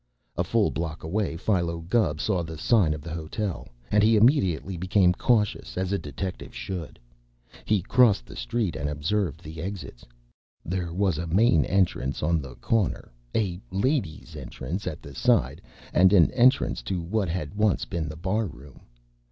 A full block away Philo Gubb saw the sign of the hotel, and he immediately became cautious, as a detective should. He crossed the street and observed the exits. There was a main entrance on the corner, a "Ladies' Entrance" at the side, and an entrance to what had once been the bar room.